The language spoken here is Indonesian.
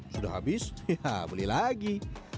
sudah habis ya beli lagi